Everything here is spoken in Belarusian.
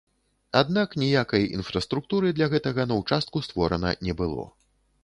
Аднак ніякай інфраструктуры для гэтага на ўчастку створана не было.